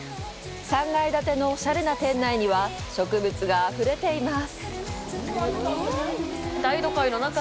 ３階建てのオシャレな店内には植物があふれています。